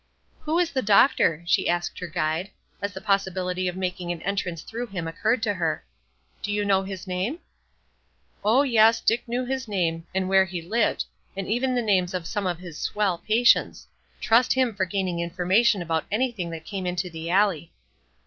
"Who is the doctor?" she asked her guide, as the possibility of making an entrance through him occurred to her. "Do you know his name?" Oh yes, Dick knew his name and where he lived, and even the names of some of his "swell" patients; trust him for gaining information about anything that came into the alley.